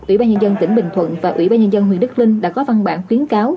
ủy ban nhân dân tỉnh bình thuận và ủy ban nhân dân huyện đức linh đã có văn bản khuyến cáo